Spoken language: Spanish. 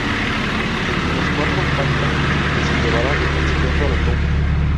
Entre los cuatro pactan que se llevarán el secreto a la tumba.